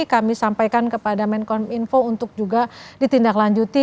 kami sampaikan kepada menkom info untuk juga ditindaklanjuti